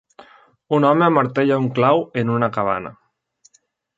Un home amartella un clau en una cabana.